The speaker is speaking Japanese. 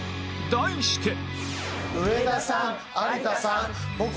題して